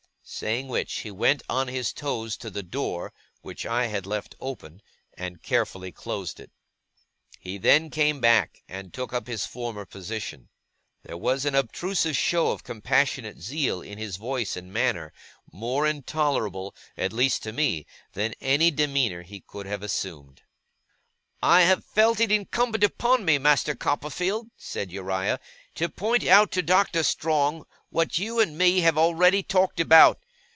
Saying which, he went on his toes to the door, which I had left open, and carefully closed it. He then came back, and took up his former position. There was an obtrusive show of compassionate zeal in his voice and manner, more intolerable at least to me than any demeanour he could have assumed. 'I have felt it incumbent upon me, Master Copperfield,' said Uriah, 'to point out to Doctor Strong what you and me have already talked about.